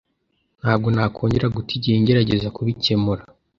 Ntabwo nakongera guta igihe ngerageza kubikemura.